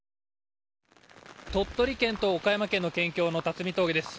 鳥取県と岡山県の県境の辰巳峠です。